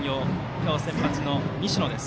今日、先発の西野です。